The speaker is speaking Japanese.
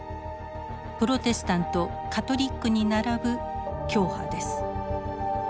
プロテスタントカトリックに並ぶ教派です。